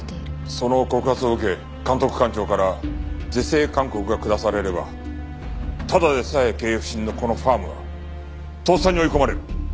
その告発を受け監督官庁から是正勧告が下されればただでさえ経営不振のこのファームは倒産に追い込まれる。